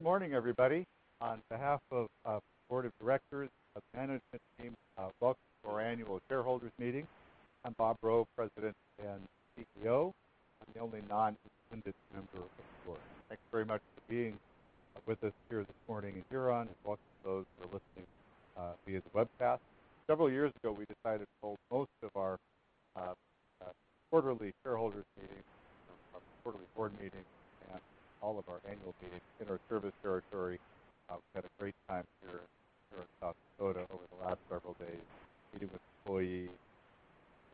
Good morning, everybody. On behalf of our board of directors and management team, welcome to our annual shareholders' meeting. I'm Bob Rowe, President and CEO. I'm the only non-incumbent member of the board. Thanks very much for being with us here this morning in Huron, welcome to those who are listening via the webcast. Several years ago, we decided to hold most of our quarterly shareholders' meetings, our quarterly board meetings, and all of our annual meetings in our service territory. We've had a great time here in South Dakota over the last several days, meeting with employees,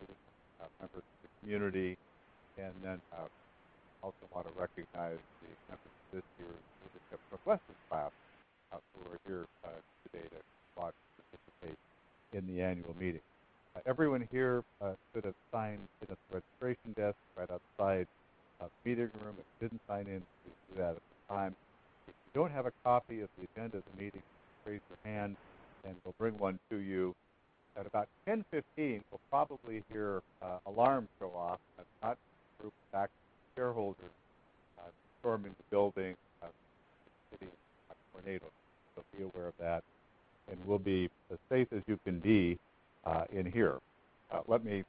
meeting with members of the community. I also want to recognize the attendance of this year's Youth Adventure classes, who are here today to watch and participate in the annual meeting. Everyone here should have signed in at the registration desk right outside the meeting room. If you didn't sign in, please do that at this time. If you don't have a copy of the agenda of the meeting, just raise your hand and we'll bring one to you. At about 10:15 A.M., you'll probably hear an alarm go off. That's not to spook shareholders or because there's a storm in the building or a tornado. Be aware of that, and we'll be as safe as you can be in here. Let me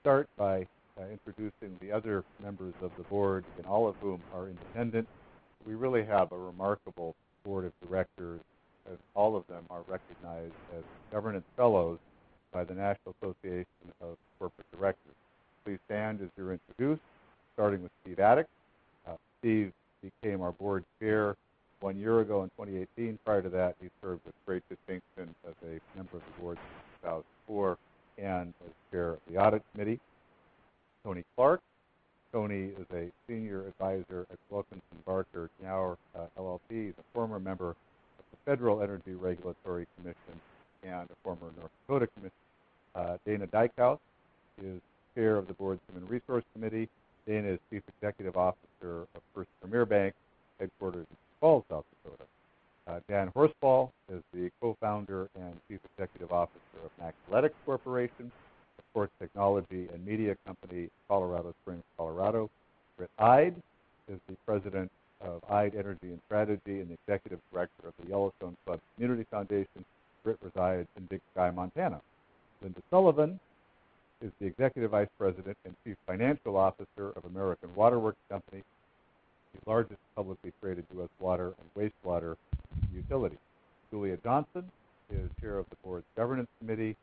start by introducing the other members of the board, and all of whom are independent. We really have a remarkable board of directors as all of them are recognized as governance fellows by the National Association of Corporate Directors. Please stand as you're introduced, starting with Steve Adik. Stephen became our Board Chair one year ago in 2018. Prior to that, he served with great distinction as a member of the board since 2004 and as Chair of the Audit Committee. Tony Clark. Tony is a Senior Advisor at Wilkinson Barker Knauer LLP. He's a former member of the Federal Energy Regulatory Commission and a former North Dakota commissioner. Dana Dykhouse is Chair of the board's Human Resources Committee. Dana is Chief Executive Officer of First PREMIER Bank, headquartered in Sioux Falls, South Dakota. Jan Horsfall is the Co-founder and Chief Executive Officer of Maxletics Corporation, a sports technology and media company in Colorado Springs, Colorado. Britt Ide is the President of Ide Energy & Strategy and the Executive Director of the Yellowstone Club Community Foundation. Britt resides in Big Sky, Montana. Linda Sullivan is the Executive Vice President and Chief Financial Officer of American Water Works Company, the largest publicly traded U.S. water and wastewater utility. Julia Johnson is Chair of the board's Governance Committee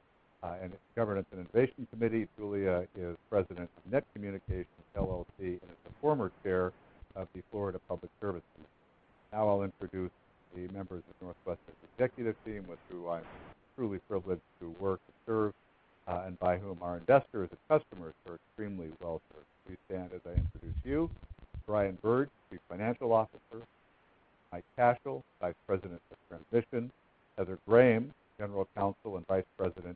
and its governance and innovation committee. Julia is President of NET Communications, LLC, and is a former Chair of the Florida Public Service Commission. I'll introduce the members of NorthWestern's executive team, with whom I'm truly privileged to work and serve, and by whom our investors and customers are extremely well-served. Please stand as I introduce you. Brian Bird, Chief Financial Officer. Michael Cashell, Vice President of Transmission. Heather Grahame, General Counsel and Vice President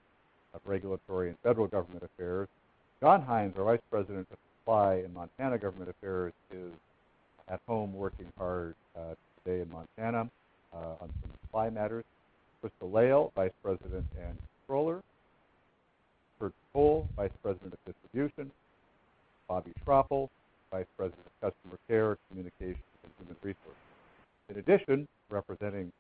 of Regulatory and Federal Government Affairs. John Hines, our Vice President of Supply and Montana Government Affairs, is at home working hard today in Montana on some supply matters. Crystal Lail, Vice President and Controller. Curt Kohl, Vice President of Distribution. Bobbi Schroeppel, Vice President of Customer Care, Communications, and Human Resources. In addition, representing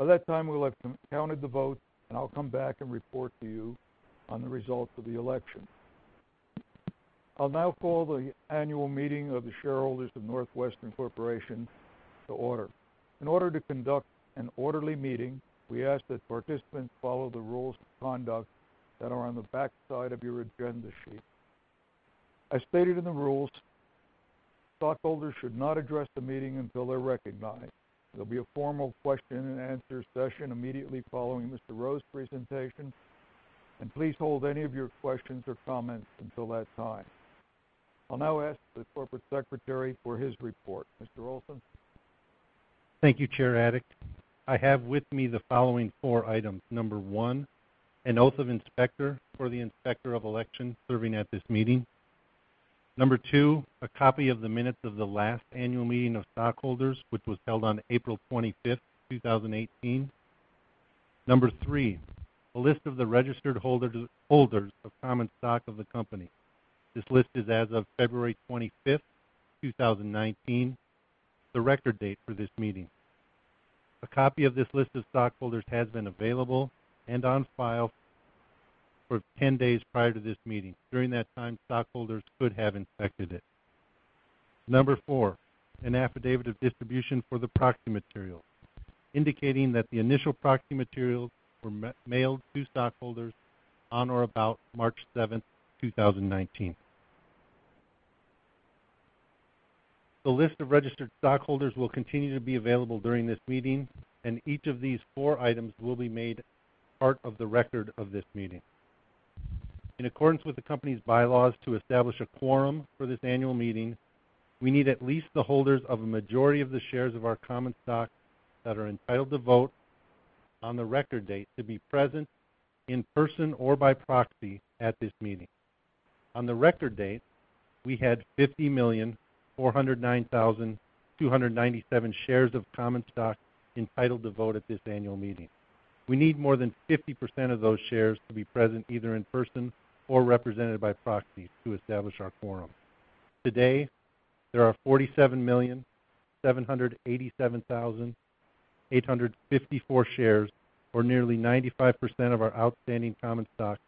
By that time, we'll have counted the votes. I'll come back and report to you on the results of the election. I'll now call the annual meeting of the shareholders of NorthWestern Corporation to order. In order to conduct an orderly meeting, we ask that participants follow the rules of conduct that are on the backside of your agenda sheet. As stated in the rules, stockholders should not address the meeting until they're recognized. There'll be a formal question and answer session immediately following Mr. Rowe's presentation. Please hold any of your questions or comments until that time. I'll now ask the Corporate Secretary for his report. Mr. Olson. Thank you, Chair Adik. I have with me the following four items. Number one, an oath of inspector for the Inspector of Election serving at this meeting. Number two, a copy of the minutes of the last annual meeting of stockholders, which was held on April 25th, 2018. Number three, a list of the registered holders of common stock of the company. This list is as of February 25th, 2019, the record date for this meeting. A copy of this list of stockholders has been available and on file for 10 days prior to this meeting. During that time, stockholders could have inspected it. Number four, an affidavit of distribution for the proxy materials, indicating that the initial proxy materials were mailed to stockholders on or about March 7th, 2019. The list of registered stockholders will continue to be available during this meeting, and each of these four items will be made part of the record of this meeting. In accordance with the company's bylaws to establish a quorum for this annual meeting, we need at least the holders of a majority of the shares of our common stock that are entitled to vote on the record date to be present in person or by proxy at this meeting. On the record date, we had 50,409,297 shares of common stock entitled to vote at this annual meeting. We need more than 50% of those shares to be present either in person or represented by proxy to establish our quorum. Today, there are 47,787,854 shares, or nearly 95% of our outstanding common stock,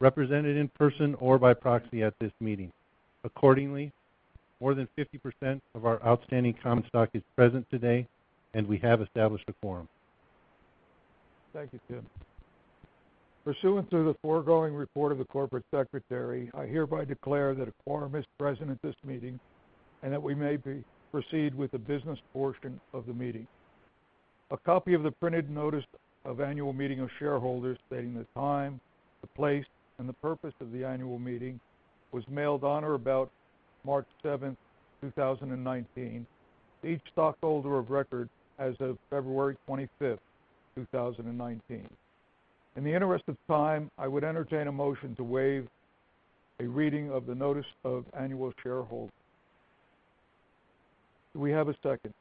represented in person or by proxy at this meeting. Accordingly, more than 50% of our outstanding common stock is present today, and we have established a quorum. Thank you, Tim. Pursuant to the foregoing report of the corporate secretary, I hereby declare that a quorum is present at this meeting and that we may proceed with the business portion of the meeting. A copy of the printed notice of annual meeting of shareholders stating the time, the place, and the purpose of the annual meeting was mailed on or about March 7th, 2019, to each stockholder of record as of February 25th, 2019. In the interest of time, I would entertain a motion to waive a reading of the notice of annual shareholder. Do we have a second?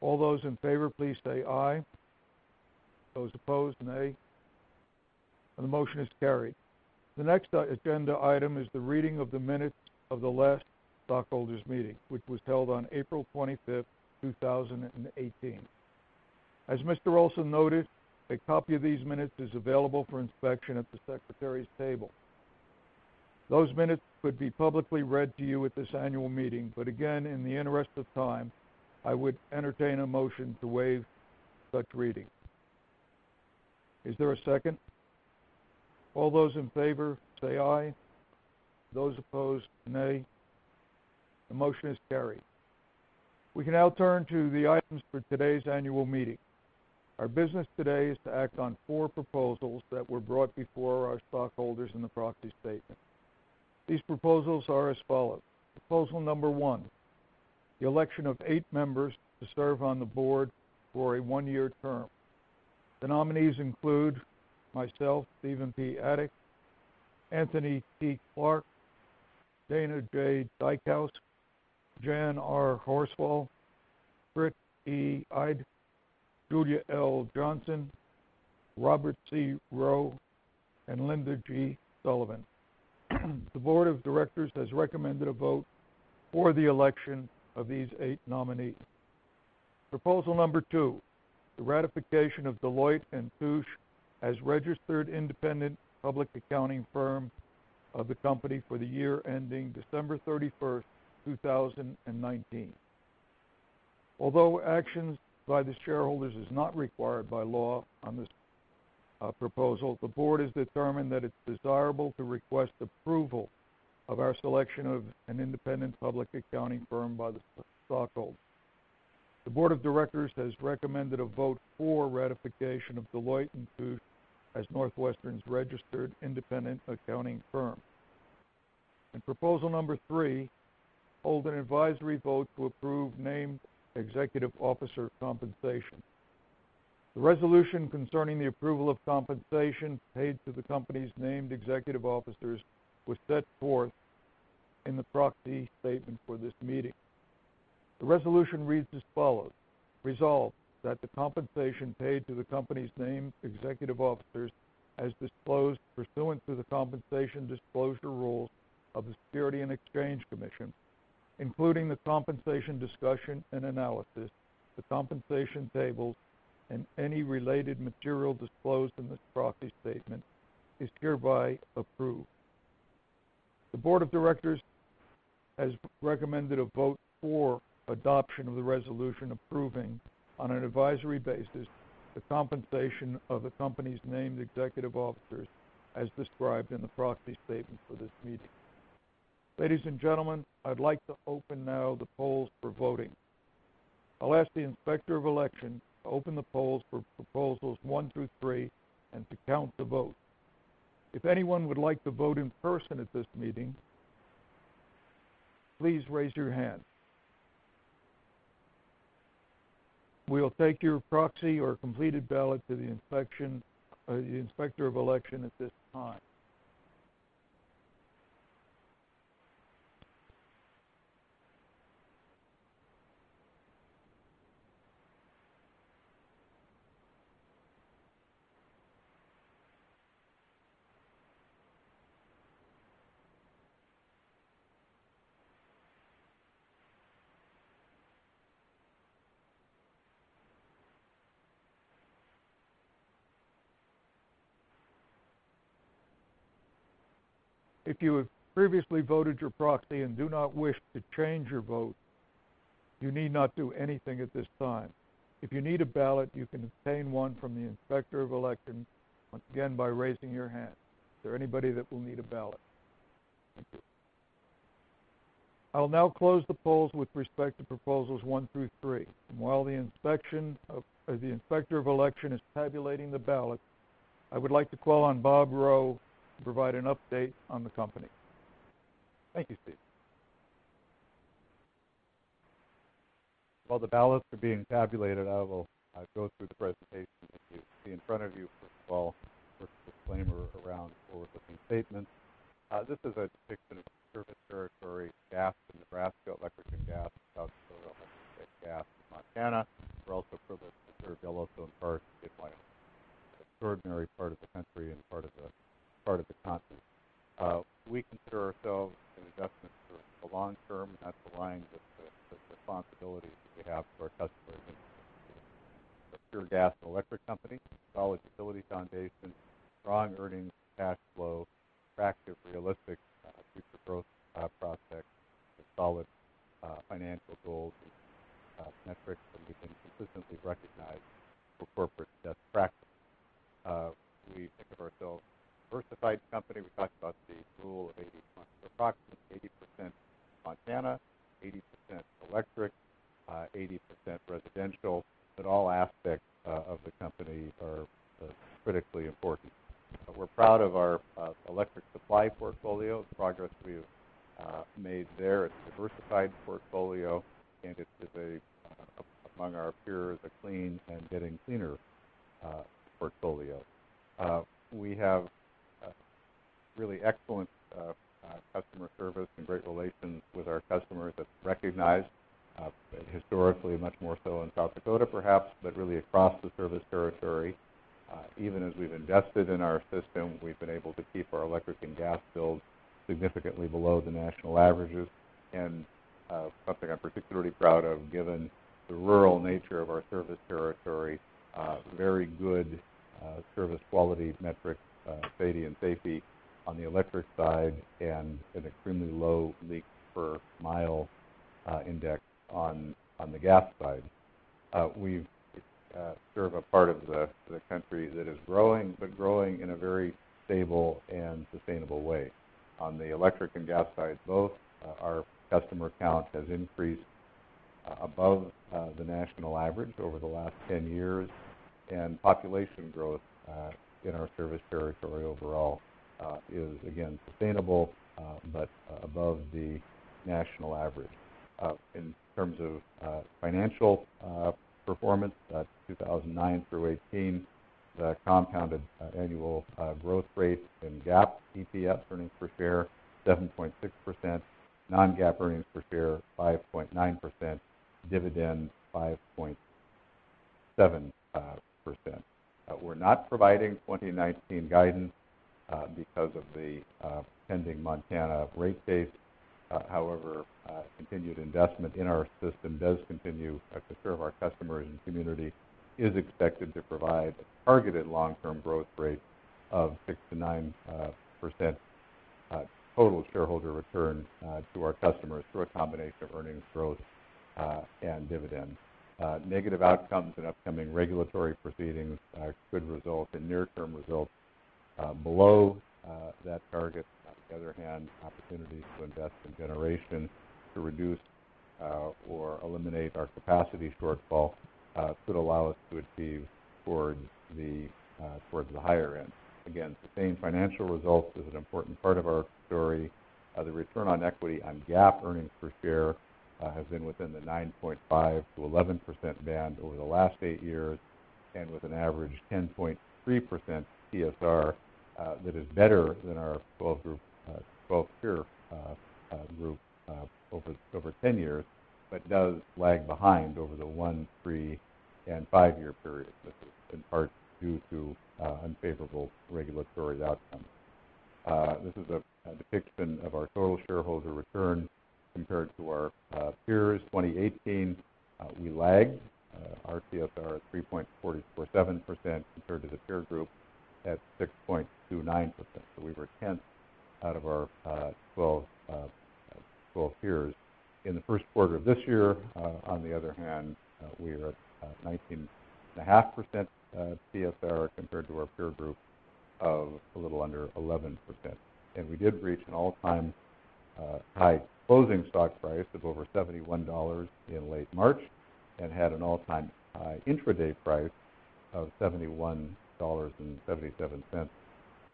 All those in favor, please say aye. Those opposed, nay. The motion is carried. The next agenda item is the reading of the minutes of the last stockholders meeting, which was held on April 25th, 2018. As Mr. Olson noted, a copy of these minutes is available for inspection at the secretary's table. Those minutes could be publicly read to you at this annual meeting, but again, in the interest of time, I would entertain a motion to waive such reading. Is there a second? All those in favor say aye. Those opposed, nay. The motion is carried. We can now turn to the items for today's annual meeting. Our business today is to act on four proposals that were brought before our stockholders in the proxy statement. These proposals are as follows. Proposal number one, the election of eight members to serve on the board for a one-year term. The nominees include myself, Stephen P. Adik, Anthony T. Clark, Dana J. Dykhouse, Jan R. Horsfall, Britt E. Ide, Julia L. Johnson, Robert C. Rowe, and Linda G. Sullivan. The board of directors has recommended a vote for the election of these eight nominees. Proposal number two, the ratification of Deloitte & Touche as registered independent public accounting firm of the company for the year ending December 31st, 2019. Although action by the shareholders is not required by law on this proposal, the board has determined that it's desirable to request approval of our selection of an independent public accounting firm by the stockholders. The board of directors has recommended a vote for ratification of Deloitte & Touche as NorthWestern's registered independent accounting firm. Proposal number three, hold an advisory vote to approve named executive officer compensation. The resolution concerning the approval of compensation paid to the company's named executive officers was set forth in the proxy statement for this meeting. The resolution reads as follows. Resolved, that the compensation paid to the company's named executive officers as disclosed pursuant to the compensation disclosure rules of the Securities and Exchange Commission, including the compensation discussion and analysis, the compensation tables, and any related material disclosed in this proxy statement is hereby approved. The board of directors has recommended a vote for adoption of the resolution approving, on an advisory basis, the compensation of the company's named executive officers as described in the proxy statement for this meeting. Ladies and gentlemen, I'd like to open now the polls for voting. I'll ask the inspector of election to open the polls for proposals one through three and to count the vote. If anyone would like to vote in person at this meeting, please raise your hand. We'll take your proxy or completed ballot to the inspector of election at this time. If you have previously voted your proxy and do not wish to change your vote, you need not do anything at this time. If you need a ballot, you can obtain one from the Inspector of Election, once again, by raising your hand. Is there anybody that will need a ballot? Thank you. I will now close the polls with respect to proposals one through three. While the Inspector of Election is tabulating the ballot, I would like to call on Bob Rowe to provide an update on the company. Thank you, Steve. While the ballots are being tabulated, I will go through the presentation that you see in front of you. First of all, the first disclaimer around forward-looking statements. This is a depiction of service territory, gas in Nebraska, electric and gas in South Dakota, electric and gas in Montana. We're also privileged to serve Yellowstone Park and Big Sky. Extraordinary part of the country and part of the continent. We consider ourselves an investment for the long term, and that's aligned with the responsibilities that we have to our customers and our shareholders. We're a pure gas and electric company, solid utility foundation, strong earnings, cash flow, attractive, realistic future growth prospects with solid financial goals and metrics that we can consistently recognize for corporate best practice. We think of ourselves as a diversified company. We talked about the rule of 80/20. Approximately 80% Montana, 80% electric, 80% residential, but all aspects of the company are critically important. We're proud of our electric supply portfolio, the progress we have made there. It's a diversified portfolio, and it is, among our peers, a clean and getting cleaner portfolio. We have really excellent customer service and great relations with our customers that's recognized historically, much more so in South Dakota, perhaps, but really across the service territory. Even as we've invested in our system, we've been able to keep our electric and gas bills significantly below the national averages. Something I'm particularly proud of, given the rural nature of our service territory, very good service quality metrics, SAIDI and SAIFI, on the electric side, and an extremely low leak per mile index on the gas side. We serve a part of the country that is growing, but growing in a very stable and sustainable way. On the electric and gas side, both our customer count has increased above the national average over the last 10 years. Population growth in our service territory overall is, again, sustainable but above the national average. In terms of financial performance, that's 2009 through 2018, the compounded annual growth rate in GAAP EPS, earnings per share, 7.6%, non-GAAP earnings per share, 5.9%, dividend, 5.7%. We're not providing 2019 guidance because of the pending Montana rate case. However, continued investment in our system does continue to serve our customers and community, is expected to provide a targeted long-term growth rate of 6%-9% total shareholder return to our customers through a combination of earnings growth and dividends. Negative outcomes in upcoming regulatory proceedings could result in near-term results below that target. On the other hand, opportunities to invest in generation to reduce or eliminate our capacity shortfall could allow us to achieve towards the higher end. Again, sustained financial results is an important part of our story. The return on equity on GAAP earnings per share has been within the 9.5%-11% band over the last eight years, and with an average 10.3% TSR that is better than our 12-peer group over 10 years, but does lag behind over the one, three, and five-year periods. This is in part due to unfavorable regulatory outcomes. This is a depiction of our total shareholder return compared to our peers. 2018, we lagged our TSR at 3.47% compared to the peer group at 6.29%. We were tenth out of our 12 peers. In the first quarter of this year, on the other hand, we are at 19.5% TSR compared to our peer group of a little under 11%. We did reach an all-time high closing stock price of over $71 in late March and had an all-time high intraday price of $71.77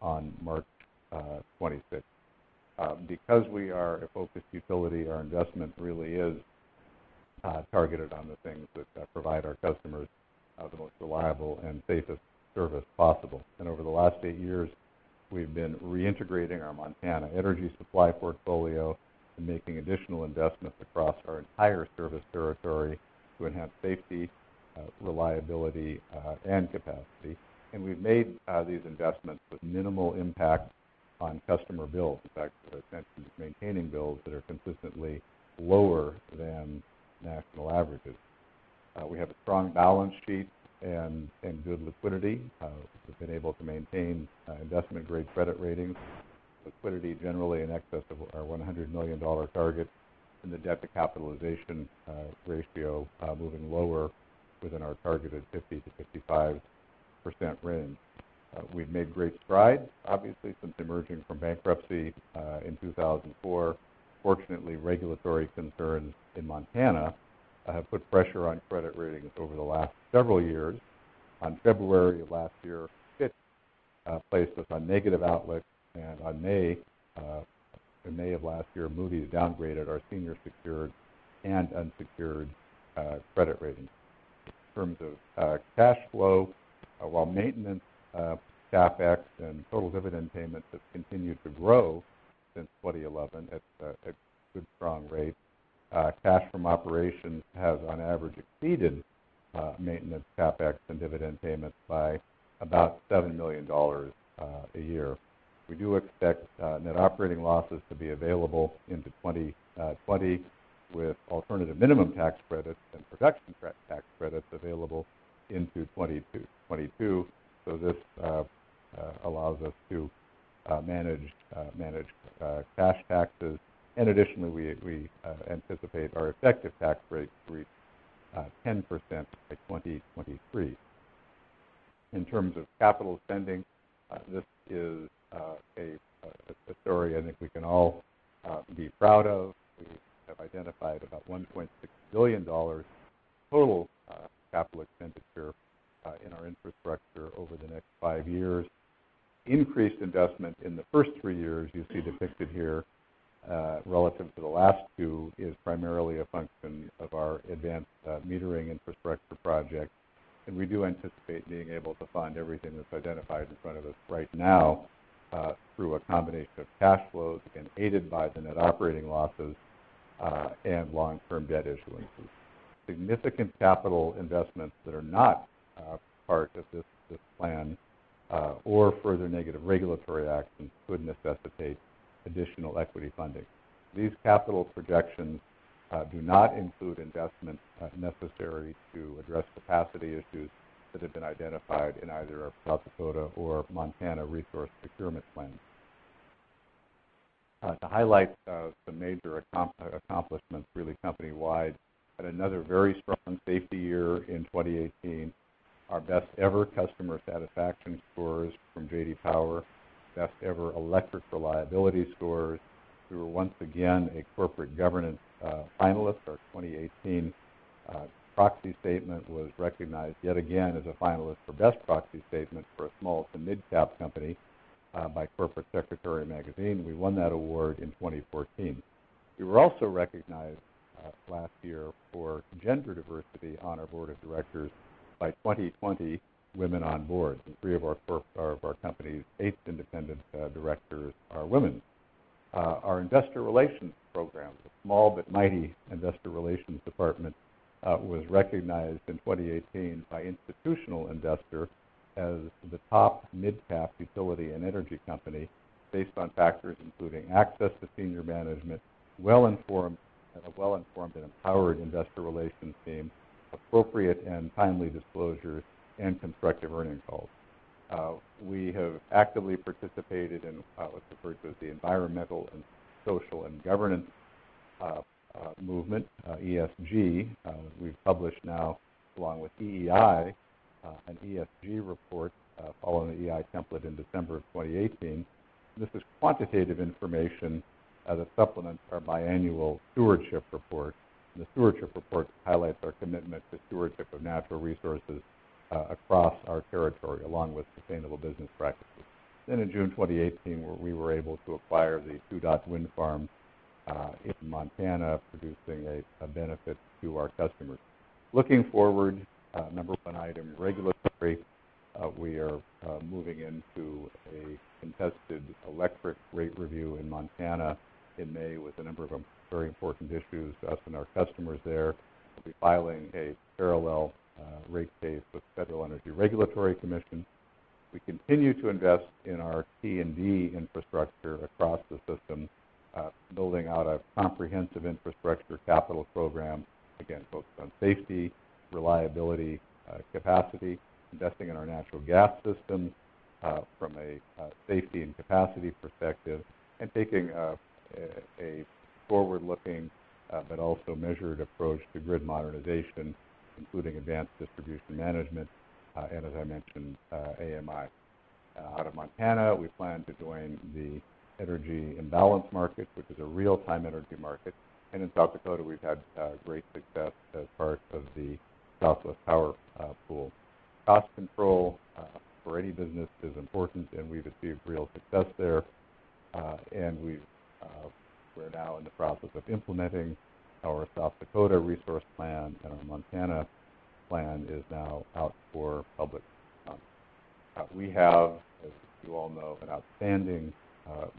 on March 26th. Because we are a focused utility, our investment really is targeted on the things that provide our customers the most reliable and safest service possible. Over the last eight years, we've been reintegrating our Montana energy supply portfolio and making additional investments across our entire service territory to enhance safety, reliability, and capacity. We've made these investments with minimal impact on customer bills. In fact, essentially maintaining bills that are consistently lower than national averages. We have a strong balance sheet and good liquidity. We've been able to maintain investment-grade credit ratings, liquidity generally in excess of our $100 million target, and the debt to capitalization ratio moving lower within our targeted 50%-55% range. We've made great strides, obviously, since emerging from bankruptcy in 2004. Fortunately, regulatory concerns in Montana have put pressure on credit ratings over the last several years. On February of last year, Fitch placed us on negative outlook, and in May of last year, Moody's downgraded our senior secured and unsecured credit ratings. In terms of cash flow, while maintenance CapEx and total dividend payments have continued to grow since 2011 at a good, strong rate, cash from operations has, on average, exceeded maintenance CapEx and dividend payments by about $7 million a year. We do expect net operating losses to be available into 2020, with alternative minimum tax credits and production tax credits available into 2022. This allows us to manage cash taxes. Additionally, we anticipate our effective tax rate to reach 10% by 2023. In terms of capital spending, this is a story I think we can all be proud of. We have identified about $1.6 billion total capital expenditure in our infrastructure over the next five years. Increased investment in the first three years, you see depicted here, relative to the last two, is primarily a function of our advanced metering infrastructure project. We do anticipate being able to fund everything that's identified in front of us right now through a combination of cash flows, again, aided by the net operating losses and long-term debt issuances. Significant capital investments that are not part of this plan or further negative regulatory actions could necessitate additional equity funding. These capital projections do not include investments necessary to address capacity issues that have been identified in either our South Dakota or Montana resource procurement plans. To highlight some major accomplishments, really company-wide, had another very strong safety year in 2018. Our best ever customer satisfaction scores from J.D. Power, best ever electric reliability scores. We were once again a corporate governance finalist. Our 2018 proxy statement was recognized, yet again, as a finalist for best proxy statement for a small to mid-cap company by Corporate Secretary Magazine. We won that award in 2014. We were also recognized last year for gender diversity on our board of directors by 2020 Women on Boards. Three of our company's eight independent directors are women. Our investor relations program, a small but mighty investor relations department, was recognized in 2018 by Institutional Investor as the top mid-cap utility and energy company based on factors including access to senior management, a well-informed and empowered investor relations team, appropriate and timely disclosures, and constructive earnings calls. We have actively participated in what's referred to as the environmental and social and governance movement, ESG. We've published now, along with EEI, an ESG report following the EEI template in December of 2018. This is quantitative information that supplements our biannual stewardship report. The stewardship report highlights our commitment to stewardship of natural resources across our territory, along with sustainable business practices. In June 2018, we were able to acquire the Two Dot Wind Farm in Montana, producing a benefit to our customers. Looking forward, number one item, regulatory. We are moving into a contested electric rate review in Montana in May with a number of very important issues to us and our customers there. We'll be filing a parallel rate case with Federal Energy Regulatory Commission. We continue to invest in our T&D infrastructure across the system, building out a comprehensive infrastructure capital program, again, focused on safety, reliability, capacity, investing in our natural gas systems from a safety and capacity perspective, and taking a forward-looking but also measured approach to grid modernization, including advanced distribution management, and as I mentioned, AMI. Out of Montana, we plan to join the Energy Imbalance Market, which is a real-time energy market. In South Dakota, we've had great success as part of the Southwest Power Pool. Cost control for any business is important, and we've achieved real success there. We're now in the process of implementing our South Dakota resource plan, and our Montana plan is now out for public comment. We have, as you all know, an outstanding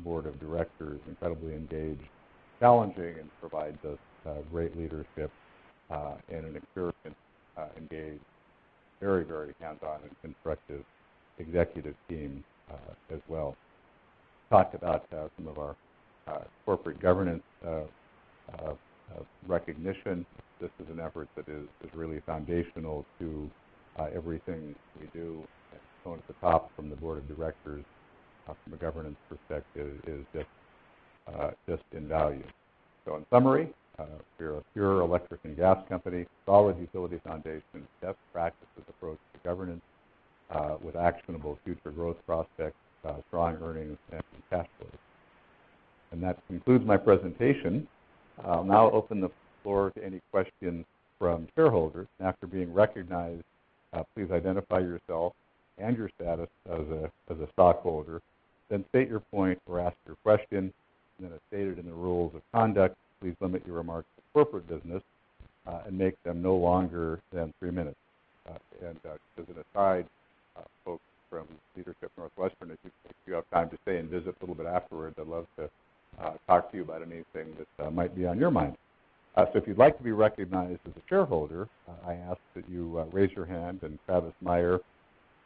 board of directors, incredibly engaged, challenging, and provides us great leadership, and an experienced, engaged, very hands-on, and constructive executive team as well. We talked about some of our corporate governance recognition. This is an effort that is really foundational to everything we do. Tone at the top from the board of directors, from a governance perspective, is just in value. In summary, we're a pure electric and gas company, solid utility foundation, best practices approach to governance with actionable future growth prospects, strong earnings, and free cash flow. That concludes my presentation. I'll now open the floor to any questions from shareholders. After being recognized, please identify yourself and your status as a stockholder, then state your point or ask your question. As stated in the rules of conduct, please limit your remarks to corporate business, and make them no longer than three minutes. As an aside, folks from leadership NorthWestern, if you have time to stay and visit a little bit afterward, I'd love to talk to you about anything that might be on your mind. If you'd like to be recognized as a shareholder, I ask that you raise your hand, and Travis Meyer,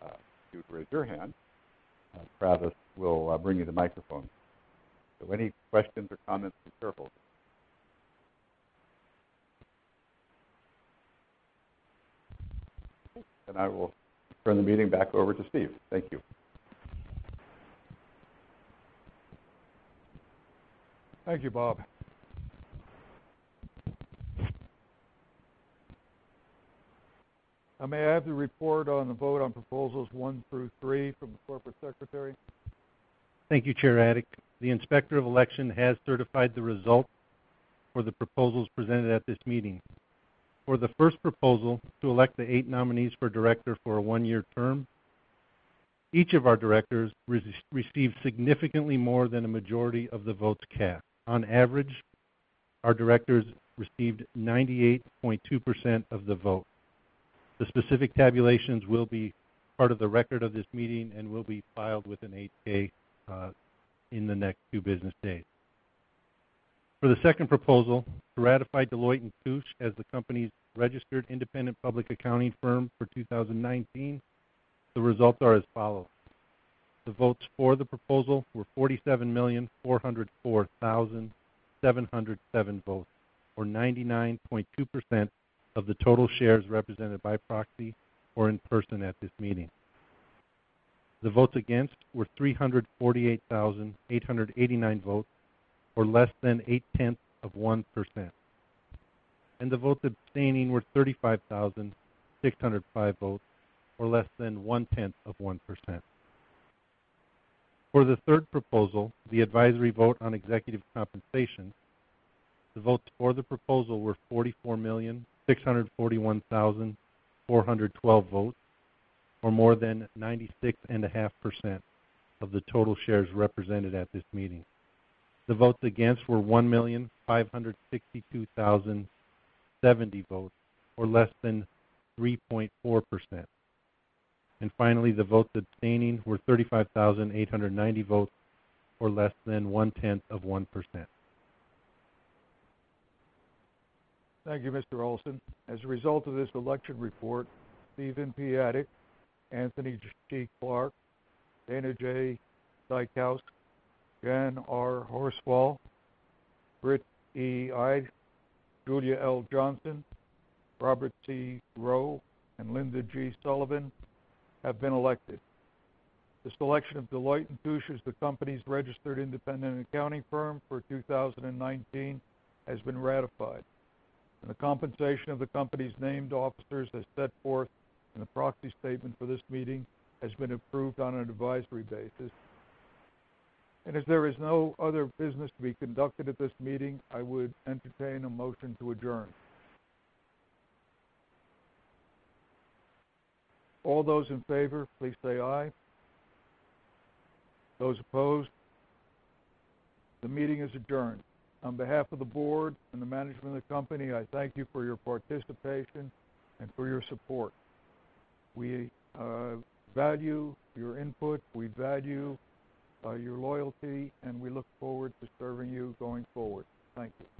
if you'd raise your hand, Travis will bring you the microphone. Any questions or comments from shareholders? I will turn the meeting back over to Steve. Thank you. Thank you, Bob. May I have the report on the vote on proposals one through three from the Corporate Secretary? Thank you, Chair Adik. The Inspector of Election has certified the result for the proposals presented at this meeting. For the first proposal to elect the 8 nominees for director for a one-year term, each of our directors received significantly more than a majority of the votes cast. On average, our directors received 98.2% of the vote. The specific tabulations will be part of the record of this meeting and will be filed within eight day, in the next few business days. For the second proposal, to ratify Deloitte & Touche as the company's registered independent public accounting firm for 2019, the results are as follows. The votes for the proposal were 47,404,707 votes, or 99.2% of the total shares represented by proxy or in person at this meeting. The votes against were 348,889 votes, or less than 0.8%. The votes abstaining were 35,605 votes, or less than 0.1%. For the third proposal, the advisory vote on executive compensation, the votes for the proposal were 44,641,412 votes, or more than 96.5% of the total shares represented at this meeting. The votes against were 1,562,070 votes, or less than 3.4%. Finally, the votes abstaining were 35,890 votes, or less than 0.1%. Thank you, Mr. Olson. As a result of this election report, Stephen P. Adik, Anthony T. Clark, Dana J. Dykhouse, Jan R. Horsfall, Britt E. Ide, Julia L. Johnson, Robert C. Rowe, and Linda G. Sullivan have been elected. This election of Deloitte & Touche as the company's registered independent accounting firm for 2019 has been ratified. The compensation of the company's named officers, as set forth in the proxy statement for this meeting, has been approved on an advisory basis. If there is no other business to be conducted at this meeting, I would entertain a motion to adjourn. All those in favor, please say aye. Those opposed. The meeting is adjourned. On behalf of the board and the management of the company, I thank you for your participation and for your support. We value your input, we value your loyalty, and we look forward to serving you going forward. Thank you.